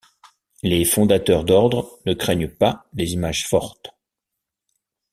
Les fondateurs d’ordre ne craignent pas les images fortes.